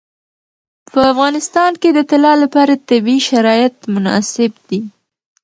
په افغانستان کې د طلا لپاره طبیعي شرایط مناسب دي.